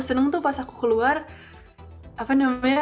seneng tuh pas aku keluar apa namanya